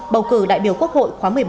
bầu cử đại biểu quốc hội khóa một mươi bốn